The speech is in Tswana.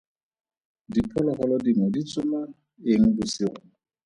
Diphologolo dingwe di tsoma eng bosigo?